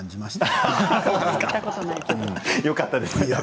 よかったです。